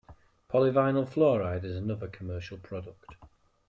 Polyvinyl fluoride is another commercial product.